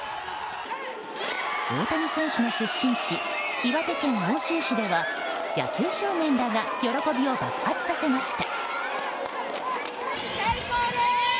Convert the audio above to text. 大谷選手の出身地岩手県奥州市では野球少年らが喜びを爆発させました。